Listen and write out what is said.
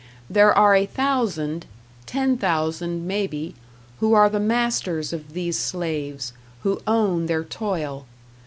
There are a thousand ten thousand, maybe who are the masters of these slaves, who own their toil.